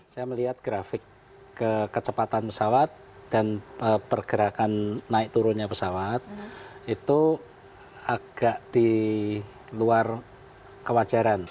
saya melihat grafik kecepatan pesawat dan pergerakan naik turunnya pesawat itu agak di luar kewajaran